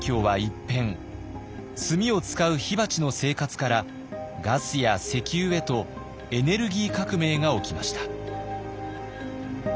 炭を使う火鉢の生活からガスや石油へとエネルギー革命が起きました。